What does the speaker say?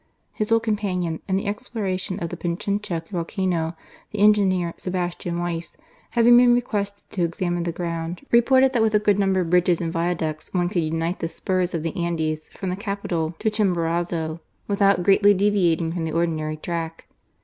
His old companion in the exploration of the Pichincha volcano, the engineer, Sebastian Wyse, having been requested to examine the ground, reported that with a good number of bridges and viaducts one could unite the spurs FINANCES AND PUBLIC WORKS. 247 of the Andes from the capital to Chimborazo, without greatly deviating from the ordinary track.